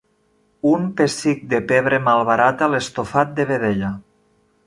Un pessic de pebre malbarata l'estofat de vedella.